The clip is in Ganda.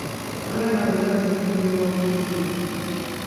Abaana bonna bajja kugemebwa ku bwereere.